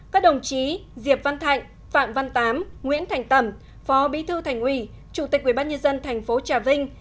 hai các đồng chí diệp văn thạnh phạm văn tám nguyễn thành tẩm phó bí thư thành ủy chủ tịch quy bát nhân dân tp trà vinh